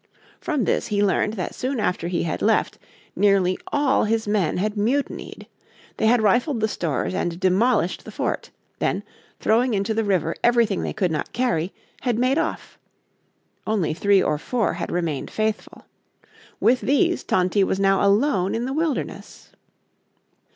From this he learned that soon after he had left nearly all his men had mutinied. They had rifled the stores and demolished the fort; then, throwing into the river everything they could not carry, had made off. Only three or four had remained faithful. With these Tony was now alone in the wilderness.